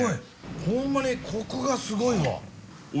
ほんまにコクがすごいわ。